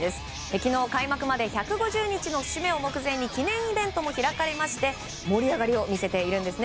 昨日、開幕まで１５０日の節目を目前に記念イベントも開かれまして盛り上がりを見せているんです。